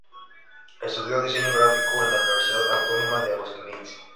Estudió diseño gráfico en la Universidad Autónoma de Aguascalientes.